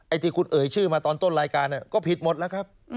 ที่คุณเอ่ยชื่อมาตอนต้นรายการก็ผิดหมดแล้วครับ